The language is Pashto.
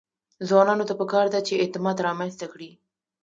ځوانانو ته پکار ده چې، اعتماد رامنځته کړي.